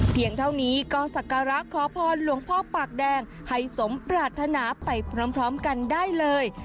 เท่านี้ก็สักการะขอพรหลวงพ่อปากแดงให้สมปรารถนาไปพร้อมกันได้เลย